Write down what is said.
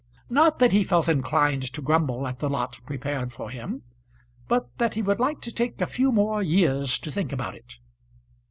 Not that he felt inclined to grumble at the lot prepared for him, but that he would like to take a few more years to think about it.